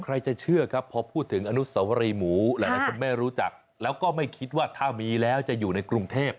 ใครจะเชื่อครับพอพูดถึงอนุสวรีหมูหลายคนไม่รู้จักแล้วก็ไม่คิดว่าถ้ามีแล้วจะอยู่ในกรุงเทพ